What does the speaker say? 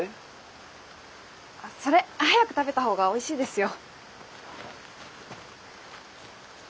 それ早く食べた方がおいしいですよ。